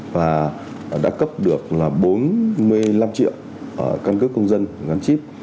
và đã cấp được bốn mươi năm triệu cân cước công dân gắn chip